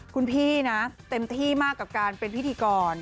คุณพี่เต็มที่มากก็เป็นพิธีกร